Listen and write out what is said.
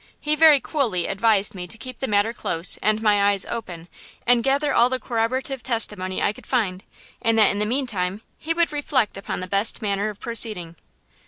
He very coolly advised me to keep the matter close and my eyes open, and gather all the corroborative testimony I could find, and that, in the meantime, he would reflect upon the best manner of proceeding."